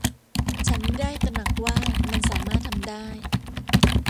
ฉันไม่ได้ตระหนักว่ามันสามารถทำได้